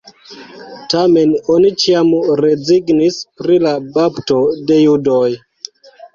Tamen oni ĉiam rezignis pri la bapto de judoj.